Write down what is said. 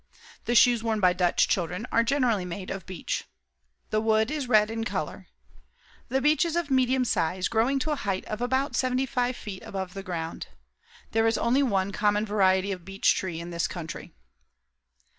The shoes worn by Dutch children are generally made of beech. The wood is red in color. The beech tree is of medium size growing to a height of about 75 feet above the ground. There is only one common variety of beech tree in this country.